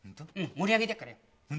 盛り上げてやっからよ。